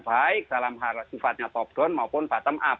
baik dalam hal sifatnya top down maupun bottom up